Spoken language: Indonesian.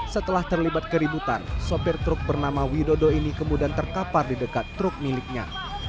setelah terlibat keributan sopir truk bernama widodo ini kemudian terkapar di dekat truk miliknya